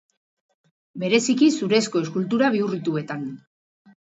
Bereziki zurezko eskultura bihurrituetan.